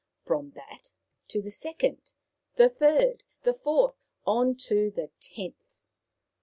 From that to the second, the third, the fourth, on to the tenth.